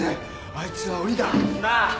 あいつは鬼だ。なあ。